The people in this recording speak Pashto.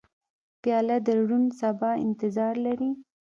پیاله د روڼ سبا انتظار لري.